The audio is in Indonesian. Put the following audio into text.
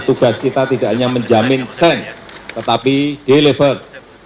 tugas kita tidak hanya menjamin sen tetapi deliver